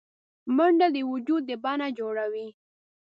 منډه د وجود د بڼه جوړوي